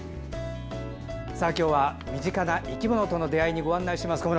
今日は身近な生き物との出会いにご案内します。